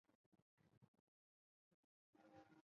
银汉鱼目为辐鳍鱼纲的其中一目。